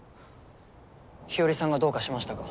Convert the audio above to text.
日和さんがどうかしましたか？